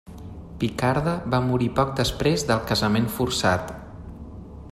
Picarda va morir poc després del casament forçat.